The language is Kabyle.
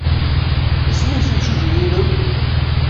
Isem-nnes timsujjit-nnem?